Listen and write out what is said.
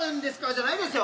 じゃないですよ。